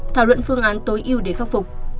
thảo luận phương án tối ưu để khắc phục